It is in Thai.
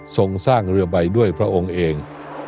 ส่งสร้างเรือใบด้วยพระองค์เอง